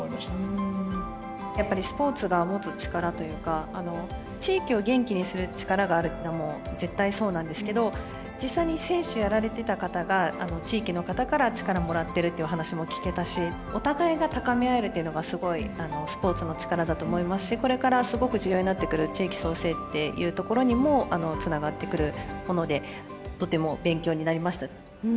やっぱりスポーツが持つ力というか地域を元気にする力があるっていうのはもう絶対そうなんですけど実際に選手やられてた方が地域の方から力もらってるというお話も聞けたしこれからすごく重要になってくる地域創生っていうところにもつながってくるものでとても勉強になりました。